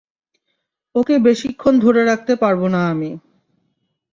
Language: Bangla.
ওকে বেশিক্ষণ ধরে রাখতে পারবো না আমি।